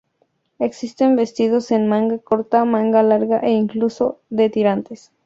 Existen vestidos de manga corta, manga larga e incluso, de tirantes.